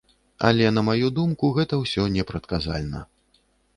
Але, на маю думку, гэта ўсё непрадказальна.